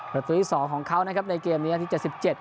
ประตูที่๒ของเขานะครับในเกมนี้นาที๗๗